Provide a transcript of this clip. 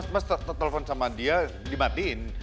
mas telpon sama dia dimatiin